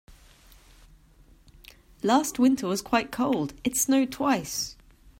Last winter was quite cold, it snowed twice.